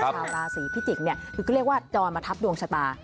ชาวราศรีพิจิกต์ก็เรียกว่าจอนมาทับดวงชะตา